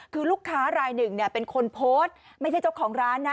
คือลูกค้ารายหนึ่งเป็นคนโพสต์ไม่ใช่เจ้าของร้านนะ